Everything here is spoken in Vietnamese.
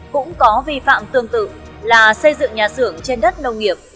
cũng có vi phạm tương tự là xây dựng nhà xưởng trên đất nông nghiệp